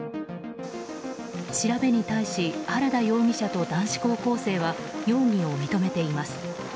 調べに対し原田容疑者と男子高校生は容疑を認めています。